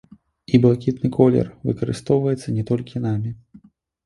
І блакітны колер выкарыстоўваецца не толькі намі.